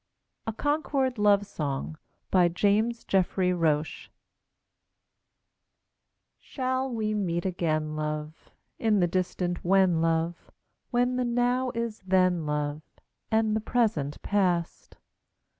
A CONCORD LOVE SONG BY JAMES JEFFREY ROCHE Shall we meet again, love, In the distant When, love, When the Now is Then, love, And the Present Past?